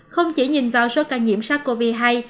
không chỉ nhìn vào số ca nhiễm sát covid hay